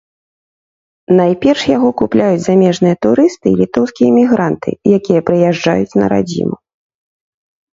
Найперш яго купляюць замежныя турысты і літоўскія эмігранты, якія прыязджаюць на радзіму.